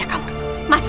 masuk masuk masuk